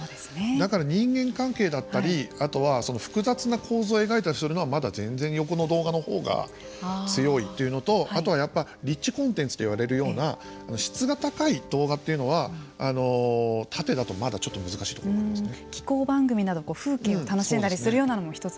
だから人間関係だったりあとは複雑な構造を描いたりするのはまだ全然横の動画のほうが強いというのとあとはリッチコンテンツといわれるような質が高い動画というのは縦だとまだちょっと難しいところがありますね。